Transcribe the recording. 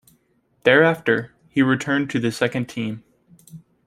Thereafter, he returned to the second team.